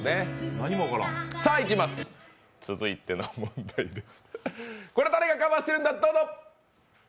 続いての問題です。